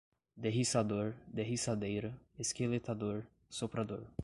derriçador, derriçadeira, esqueletador, soprador